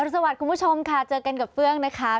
สวัสดีคุณผู้ชมค่ะเจอกันกับเฟื่องนะคะ